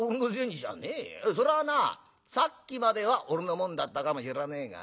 そらぁなさっきまでは俺のもんだったかもしらねえがな。